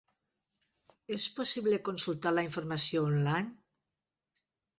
És possible consultar la informació online?